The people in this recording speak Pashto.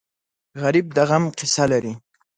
غریب د غم قصه لري